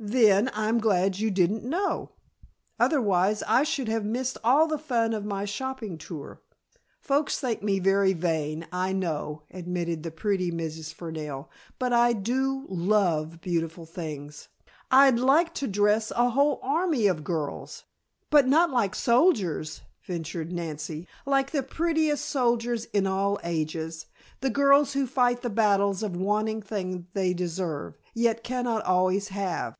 "Then, I'm glad you didn't know. Otherwise I should have missed all the fun of my shopping tour. Folks think me very vain, I know," admitted the pretty Mrs. Fernell, "but I do love beautiful things. I'd like to dress a whole army of girls " "But not like soldiers," ventured Nancy. "Like the prettiest soldiers in all ages the girls who fight the battles of wanting things they deserve, yet cannot always have."